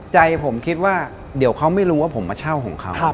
ใจผมคิดว่าเดี๋ยวเขาไม่รู้ว่าผมมาเช่าของเขา